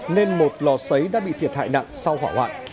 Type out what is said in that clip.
nên một lò xấy đã bị thiệt hại nặng sau hỏa hoạn